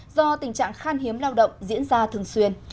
do tình trạng khan hiếm lao động diễn ra thường xuyên